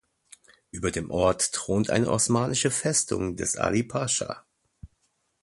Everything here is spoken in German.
Über dem Ort thront eine osmanische Festung des Ali Pascha.